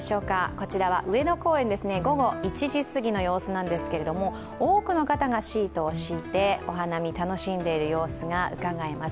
こちらは上野公園ですね、午後１時すぎの様子なんですけれども多くの方がシートを敷いてお花見を楽しんでいる様子がうかがえます。